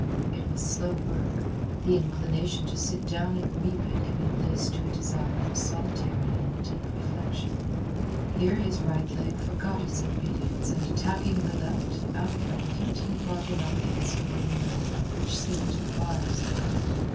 It was slow work. The inclination to sit down and weep had given place to a desire for solitary and deep reflection. Here his right leg forgot its obedience and attacking the left, outflanked it and brought him up against a wooden board which seemed to bar his path.